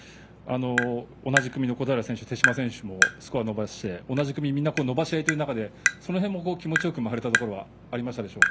同じ組の小平選手手嶋選手もスコアを伸ばして、同じ組みんな、伸ばし合いという中で気持ちよく回れたところはあったでしょうか。